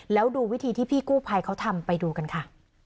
แล้วดูวิธีที่พี่กู้ภัยเขาทำไปดูกันค่ะ